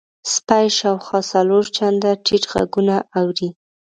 سپی شاوخوا څلور چنده ټیټ غږونه اوري.